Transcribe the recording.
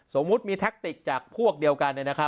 สมมุติมีแท็กติกจากพวกเดียวกัน